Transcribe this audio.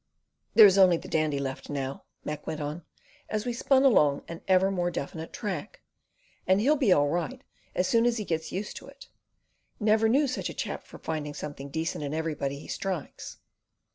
"There's only the Dandy left now," Mac went on, as we spun along an ever more definite track, "and he'll be all right as soon as he gets used to it. Never knew such a chap for finding something decent in everybody he strikes."